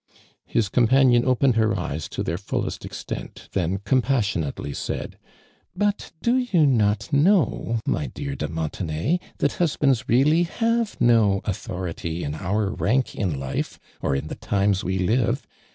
llis companion opened her eyes to their fullest extent, then compassionately said :" But do you not know, my <lear de Monte nay, that husbands really have no authority in om rank in life, or in the times we live.